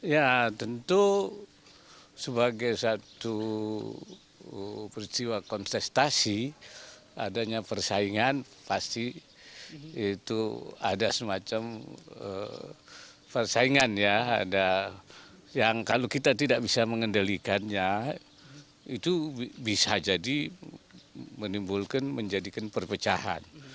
ya tentu sebagai satu peristiwa kontestasi adanya persaingan pasti itu ada semacam persaingan ya ada yang kalau kita tidak bisa mengendalikannya itu bisa jadi menimbulkan menjadikan perpecahan